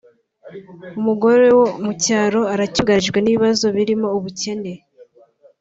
umugore wo mu cyaro aracyugarijwe n’ibibazo birimo ubukene